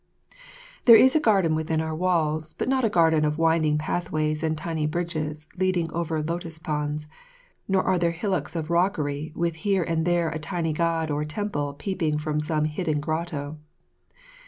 There is a garden within our walls, but not a garden of winding pathways and tiny bridges leading over lotus ponds, nor are there hillocks of rockery with here and there a tiny god or temple peeping from some hidden grotto.